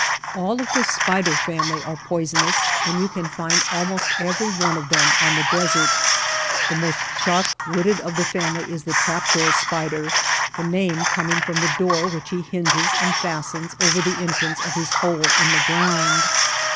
All of the spider family are poisonous and you can find almost every one of them on the desert. The most sharp witted of the family is the trap door spider — the name coming from the door which he hinges and fastens over the entrance of his hole in the ground.